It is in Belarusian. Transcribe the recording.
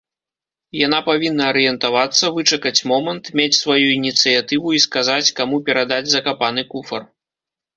Яна павінна арыентавацца, вычакаць момант, мець сваю ініцыятыву і сказаць, каму перадаць закапаны куфар.